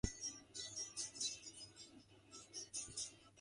It feels super weird when I put pressure on it.